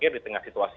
di tengah situasi